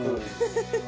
フフフフ。